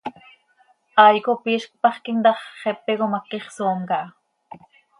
Hai cop iizc paxquim ta x, xepe com haquix soom caha.